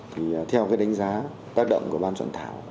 thì theo cái đánh giá tác động của ban soạn thảo